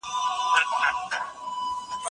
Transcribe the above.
که تاسي په رښتیا سره متحد سئ افغانستان به اباد سي.